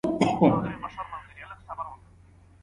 د ښځو سره يوازي د هغوی د شتمنيو په خاطر نکاحوي مه کوئ.